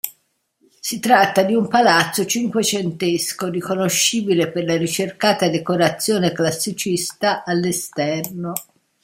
Si tratta di un palazzo cinquecentesco, riconoscibile per la ricercata decorazione classicista all'esterno.